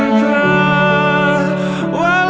walau tanpa kata